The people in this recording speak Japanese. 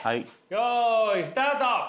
よいスタート。